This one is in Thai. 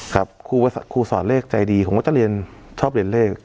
ครับครูสอนเลขใจดีผมก็จะเรียนชอบเรียนเลข